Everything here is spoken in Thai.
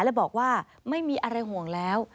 และบอกว่าไม่มีอะไรห่วงแล้ว